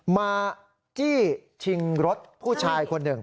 จี้ชิงรถผู้ชายคนหนึ่ง